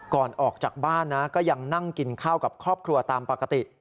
ก่อนออกจากบ้านนะก็ยังนั่งกินข้าวกับครอบครัวตามปกติ